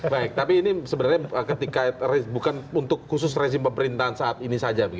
baik tapi ini sebenarnya ketika bukan untuk khusus rezim pemerintahan saat ini saja